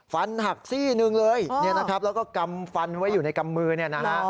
ฟันหักซี่หนึ่งเลยนะครับแล้วก็กำฟันไว้อยู่ในกำมือเนี่ยนะฮะ